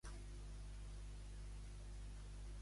Vull que pengis el collage que he fet d'estat a Whatsapp.